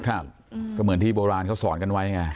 ก็เหมือนที่โบราณเขาสอนกันไว้ไง